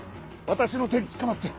私の手につかまって。